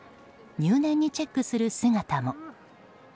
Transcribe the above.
入念にチェックする姿も。